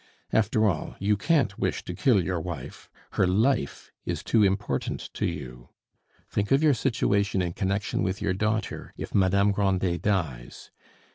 After all, you can't wish to kill your wife; her life is too important to you. Think of your situation in connection with your daughter if Madame Grandet dies.